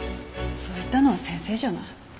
そう言ったのは先生じゃない。